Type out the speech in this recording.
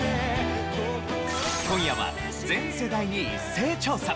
今夜は全世代に一斉調査！